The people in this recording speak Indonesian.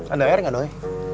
ada air nggak doi